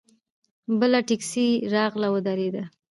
بله ټیکسي راغله ودرېده.